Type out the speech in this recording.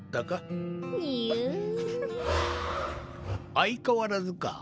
相変わらずか。